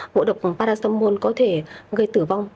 ngộ độc paracetamol có thể gây tử vong